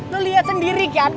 lo liat sendiri kan